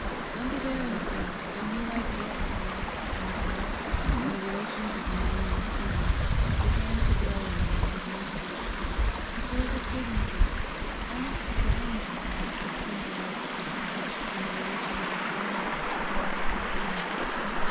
Under their influence a new idea of life, and the world, and the relations of men and things, began to grow in the mind of Mercy. There was a dignity, almost grandeur, about the simple life of the cottage, and the relation of its inmates to all they came near.